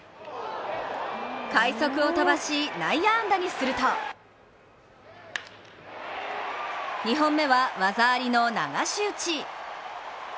快足を飛ばし、内野安打にすると２本目は技ありの流し打ち。